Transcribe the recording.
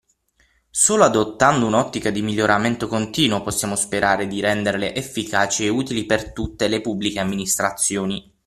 Solo adottando un’ottica di miglioramento continuo possiamo sperare di renderle efficaci e utili per tutte le Pubbliche Amministrazioni.